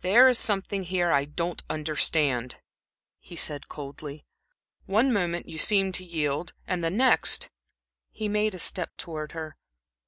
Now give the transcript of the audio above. "There is something here I don't understand," he said, coldly. "One moment you seemed to yield, and the next" He made a step towards her.